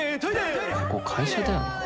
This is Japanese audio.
ここ会社だよな？